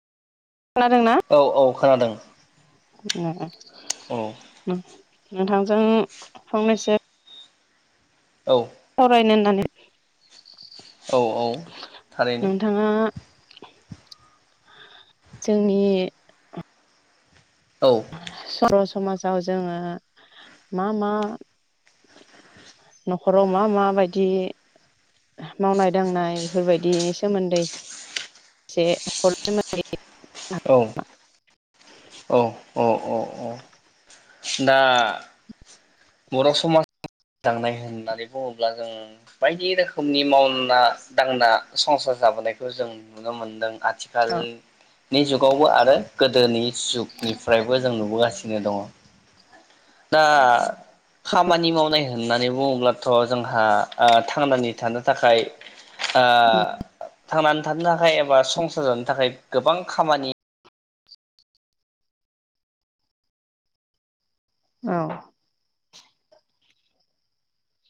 खोनादोंना औ औ खोनादों। [unintelligible] औ नोंथांजों फंनैसो औ सावरायनो होननानै औ औ थारैनो नोंथाङा जोंनि औ सर समाजाव जोङो मा मा न'खराव मा मा बायदि मावनाय दांनाय बेफोरबायदिनि सोमोन्दै एसे [unintelligible] औ औ औ औ औ दा बर' समाज दांनाय होननानै बुङोब्ला जों बायदि रोखोमनि मावना दांना संसार जाबोनायखौ जों नुनो मोनदों आथिखालनि जुगावबो आरो गोदोनि जुगनिफ्रायबो जों नुबोगासिनो दङ। दा खामानि मावनाय होननानै बुङोब्लाथ' जोंहा ओ थांनानै थानो थाखाय थांनानै थानो थाखाय एबा संसार जानो थाखाय गोबां खामानि औ